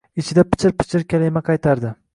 Ichida pichir-pichir kalima qaytardi.